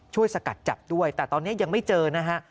สกัดจับด้วยแต่ตอนนี้ยังไม่เจอนะฮะ